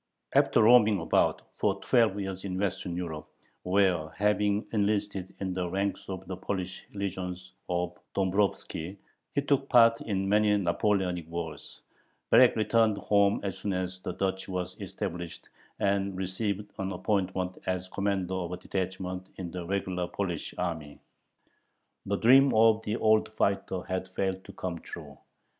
After roaming about for twelve years in Western Europe, where, having enlisted in the ranks of the "Polish legions" of Domvrovski, he took part in many Napoleonic wars, Berek returned home as soon as the Duchy was established, and received an appointment as commander of a detachment in the regular Polish army. The dream of the old fighter had failed to come true.